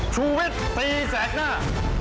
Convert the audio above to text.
ชูเวทตีแสกหน้า